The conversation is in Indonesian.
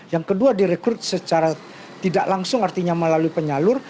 yang kedua direkrut secara tidak langsung artinya melalui penyalur